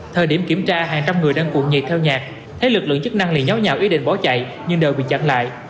thời điểm kiểm tra hàng trăm người đang cuộn nhịp theo nhạc thấy lực lượng chức năng liền nhớ nhào ý định bỏ chạy nhưng đều bị chặn lại